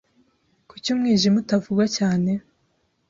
kuki umwijima utavugwa cyane,